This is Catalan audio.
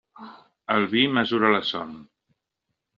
El vi mesura la son.